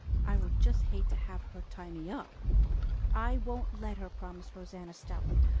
I would just hate to have her tie me up!" "I won't let her," promised Rosanna stoutly.